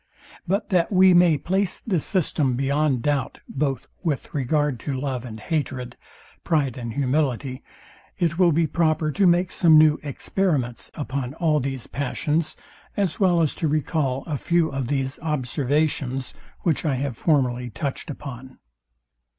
But that we may place this system beyond doubt both with regard to love and hatred, pride and humility, it will be proper to make some new experiments upon all these passions, as well as to recall a few of these observations, which I have formerly touched upon.